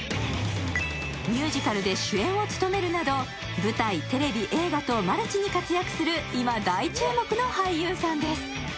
ミュージカルで主演を務めるなど、舞台、テレビ、映画とマルチに活躍する今、大注目の俳優さんです。